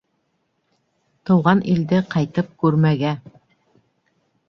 Тыуған илде ҡайтып күрмәгә.